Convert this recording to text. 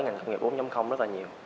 ngành công nghiệp bốn rất là nhiều